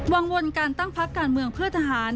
วนการตั้งพักการเมืองเพื่อทหาร